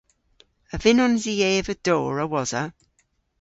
A vynnons i eva dowr a-wosa?